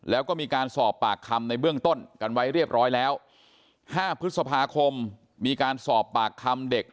แล้วก็มีการสอบปากคำในเบื้องต้นกันไว้เรียบร้อยแล้ว๕พฤษภาคมมีการสอบปากคำเด็ก